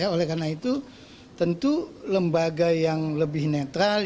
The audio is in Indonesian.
oleh karena itu tentu lembaga yang lebih netral